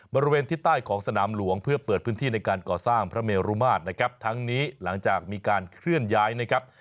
บริเวณทิศใต้ของสนามหลวงเพื่อเปิดพื้นที่ในการก่อสร้างพระเมรุมาตรนะครับทั้งนี้หลังจากมีการเคลื่อนย้ายนะครับ